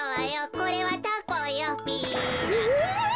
これはタコよべだ。